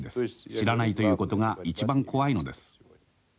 知らないということが一番怖いのです。